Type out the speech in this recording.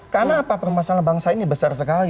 karena apa permasalahan bangsa ini besar sekali